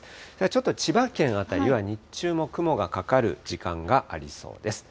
ちょっと千葉県辺りは、日中も雲がかかる時間がありそうです。